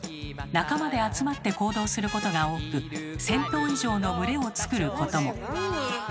仲間で集まって行動することが多く１，０００頭以上の群れをつくることも。